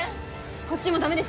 こっちもダメです